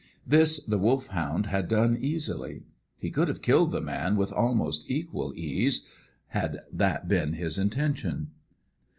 This the Wolfhound had done easily. He could have killed the man with almost equal ease, had that been his intention.